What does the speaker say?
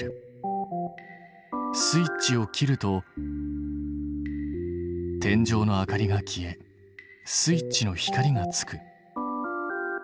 スイッチを切ると天井の明かりが消えスイッチの光がつく。